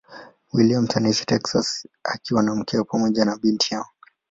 Williams anaishi Texas akiwa na mkewe pamoja na binti yao.